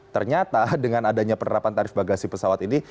ternyata dengan adanya penerapan tarif bagasi pesawat ini